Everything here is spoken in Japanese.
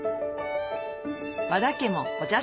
和田家もお茶